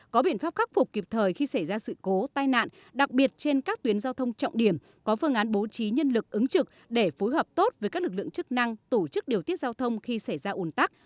có biện pháp khắc phục kịp thời khi xảy ra sự cố tai nạn đặc biệt trên các tuyến giao thông trọng điểm có phương án bố trí nhân lực ứng trực để phối hợp tốt với các lực lượng chức năng tổ chức điều tiết giao thông khi xảy ra ủn tắc